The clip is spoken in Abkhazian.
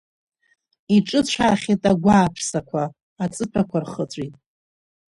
Иҿыцәаахьеит агәааԥсақәа, аҵыҭәақәа рхыҵәеит.